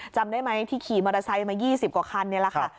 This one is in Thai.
จำได้ไหมที่ขี่มอเตอร์ไซค์มา๒๐กว่าคันนี่แหละค่ะ